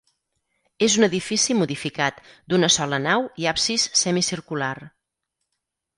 És un edifici modificat, d'una sola nau i absis semicircular.